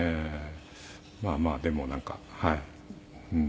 まあまあでもなんかはい。